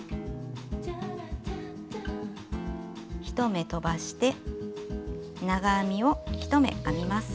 １目とばして長編みを１目編みます。